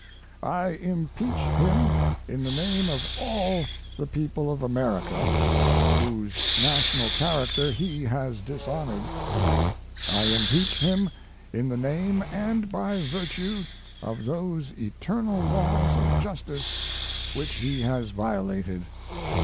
I impeach him in the name of all the people of America, whose national character he has dishonored. I impeach him in the name and by virtue of those eternal laws of justice which he has violated.